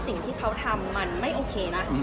สิ่งที่เขาทำมันไม่โอเคนะ